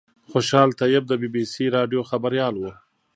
خوشحال طیب د بي بي سي راډیو خبریال و.